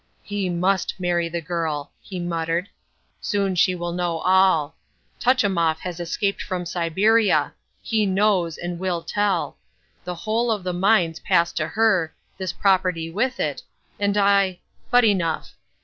"He must marry the girl," he muttered. "Soon she will know all. Tutchemoff has escaped from Siberia. He knows and will tell. The whole of the mines pass to her, this property with it, and I—but enough."